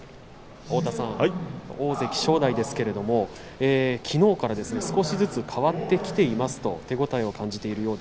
大関正代のリポートきのうから少しずつ変わってきていますと手応えを感じています。